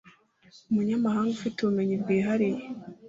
umunyamahanga ufite ubumenyi bwihariye